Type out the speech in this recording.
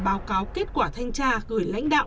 báo cáo kết quả thanh tra gửi lãnh đạo